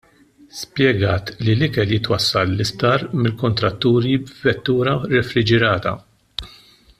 Spjegat li l-ikel jitwassal l-isptar mill-kuntratturi f'vettura refriġirata.